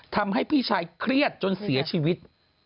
ทำให้พี่ชายเครียดจนเสียชีวิต